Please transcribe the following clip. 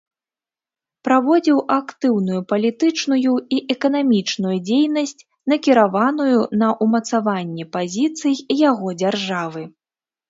Праводзіў актыўную палітычную і эканамічную дзейнасць, накіраваную на ўмацаванне пазіцый яго дзяржавы.